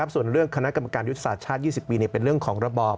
ส่วนเรื่องคณะกรรมการยุทธศาสตร์ชาติ๒๐ปีเป็นเรื่องของระบอบ